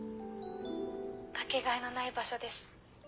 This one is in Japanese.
かけがえのない場所です。